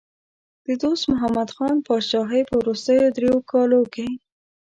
د دوست محمد خان پاچاهۍ په وروستیو دریو کالو کې.